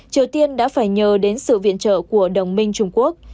triều tiên đã phải nhờ đến sự viện trợ của đồng minh trung quốc